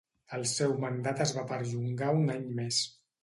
El seu mandat es va perllongar un any més.